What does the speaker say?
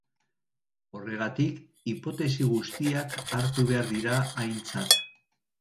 Horregatik, hipotesi guztiak hartu behar dira aintzat.